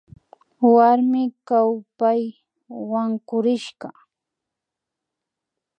Warmi kawpay wankurishka